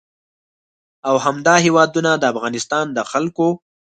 او همدا هېوادونه د افغانستان د خلکو